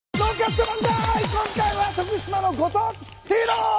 今回は徳島のご当地ヒーロー。